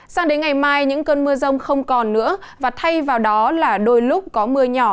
sang đến ngày mai những cơn mưa rông không còn nữa và thay vào đó là đôi lúc có mưa nhỏ